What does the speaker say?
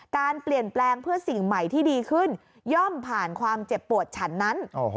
การเปลี่ยนแปลงเพื่อสิ่งใหม่ที่ดีขึ้นย่อมผ่านความเจ็บปวดฉันนั้น